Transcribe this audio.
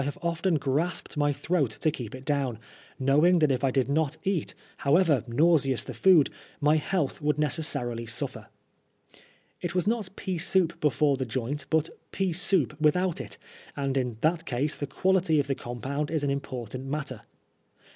have often grasped my throat to keep it down, knowing that if I did not eat, however nauseous the food, my health would necessarily suffer. It was not pea soup before the joint, but pea soup without it, and in that case the quality of the compound is an important matter.